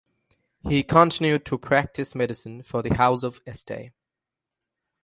He continued to practice medicine for the house of Este.